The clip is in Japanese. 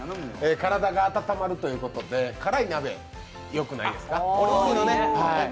体が温まるということで辛い鍋、よくないですか？